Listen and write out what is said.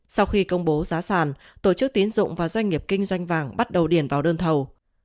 sau khi công bố giá sản tổ chức tiến dụng và doanh nghiệp kinh doanh vàng bắt đầu điền vào đơn thầu